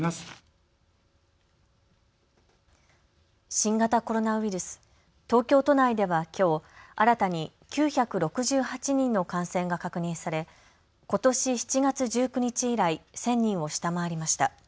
新型コロナウイルス、東京都内ではきょう新たに９６８人の感染が確認されことし７月１９日以来、１０００人を下回りました。